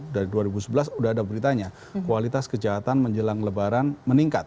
dari dua ribu sebelas udah ada beritanya kualitas kejahatan menjelang lebaran meningkat